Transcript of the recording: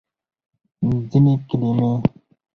ځینې کلمې